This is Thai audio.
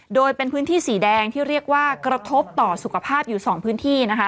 โดยเป็นพื้นที่สีแดงที่เรียกว่ากระทบต่อสุขภาพอยู่๒พื้นที่นะคะ